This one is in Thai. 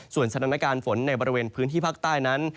ส่วนสถานการณ์ฝนในบริเวณพื้นที่ภาคใต้นั้น